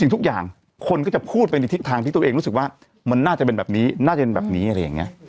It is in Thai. ทุกอย่างคนก็จะพูดไปในทิศทางที่ตัวเองรู้สึกว่ามันน่าจะเป็นแบบนี้น่าจะเป็นแบบนี้อะไรอย่างนี้